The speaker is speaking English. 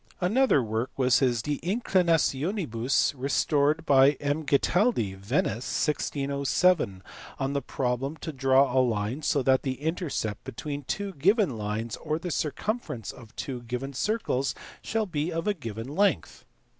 Another work was his De Inclinationibus (restored by M. Ghetaldi, Venice, 1607) on the problem to draw a line so that the intercept between two given lines, or the circumferences of two given circles, shall be of a given length.